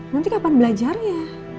nanti kapan belajarnya